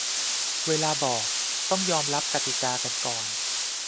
เวลาบอก ต้องยอมรับกติกากันก่อน